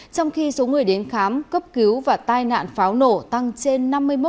trong khi số người đến khám cấp cứu và tai nạn pháo nổ tăng trên năm mươi một